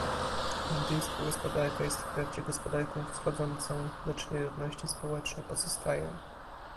Indyjska gospodarka jest wprawdzie gospodarką wschodzącą, lecz nierówności społeczne pozostają